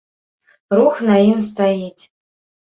Рух на ім стаіць.